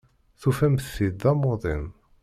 Tufamt-t-id d amuḍin.